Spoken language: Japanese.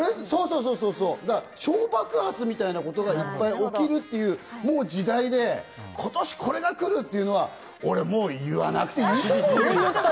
小爆発みたいなことがいっぱい起きるという時代で、今年これが来るっていうのは、俺もう言わなくていいと思うよ。